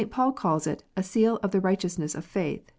Paul calls it "a seal of the righteousness of faith."